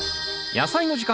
「やさいの時間」